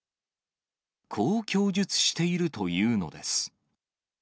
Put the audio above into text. こう供述しているというのです。